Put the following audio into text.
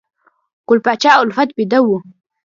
ګل پاچا الفت بیده و